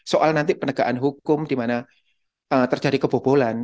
soal nanti penegaan hukum dimana terjadi kebobolan